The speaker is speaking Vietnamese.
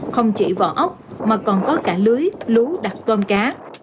không chỉ vỏ ốc mà còn có cả lưới lú đặc toàn cá